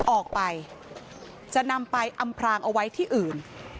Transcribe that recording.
ออกไปจะนำไปอำพรางเอาไว้ที่อื่น